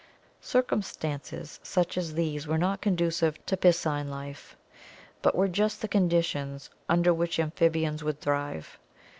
Circumstances such as these were not conducive to piscine life, but were just the conditions under which amphibians would thrive.